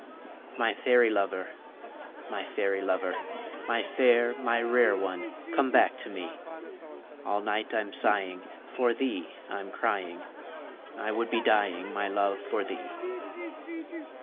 My fairy lover, my fairy lover, My fair, my rare one, come back to me All night I'm sighing, for thee I'm crying, I would be dying, my love, for thee.